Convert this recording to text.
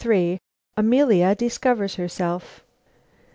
AMELIA DISCOVERS HERSELF.